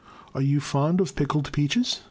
Are you fond of pickled peaches ?